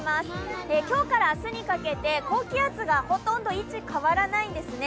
今日から明日にかけて高気圧がほどんと位置が変わらないんですね。